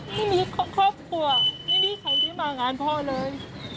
ไม่มีครอบครัวไม่มีใครได้มางานพ่อเลย